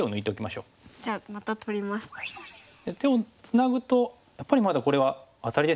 ツナぐとやっぱりまだこれはアタリですよね。